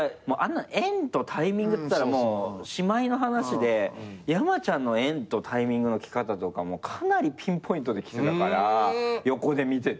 縁とタイミングっつったらもうしまいの話で山ちゃんの縁とタイミングの来方とかもかなりピンポイントで来てたから横で見てて。